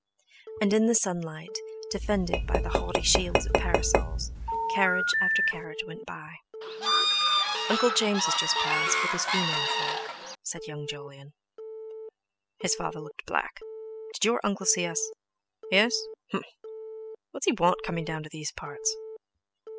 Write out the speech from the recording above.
And in the sunlight, defended by the haughty shields of parasols, carriage after carriage went by. "Uncle James has just passed, with his female folk," said young Jolyon. His father looked black. "Did your uncle see us? Yes? Hmph! What's he want, coming down into these parts?"